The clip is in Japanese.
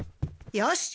よし！